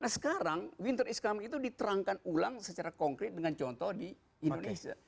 nah sekarang winter is comi itu diterangkan ulang secara konkret dengan contoh di indonesia